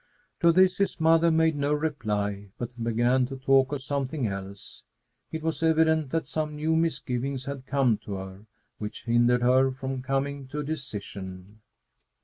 To this his mother made no reply, but began to talk of something else. It was evident that some new misgivings had come to her, which hindered her from coming to a decision.